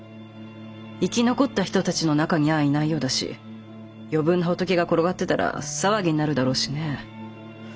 生き残った人たちの中にゃあいないようだし余分な死体が転がってたら騒ぎになるだろうしねえ。